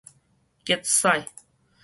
結屎